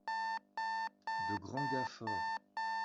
de grands gars forts.